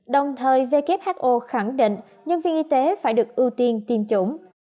đồng thời who khẳng định nhân viên y tế phải được ưu tiên tiêm chủng